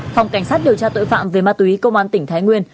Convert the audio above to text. phòng cảnh sát điều tra tội phạm về ma túy công an tỉnh thái nguyên